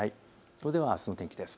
それではあすの天気です。